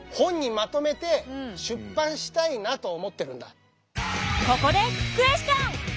以前からここでクエスチョン！